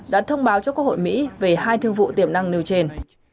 đã thông báo cho quốc hội mỹ về hai thương vụ tiềm năng nêu trên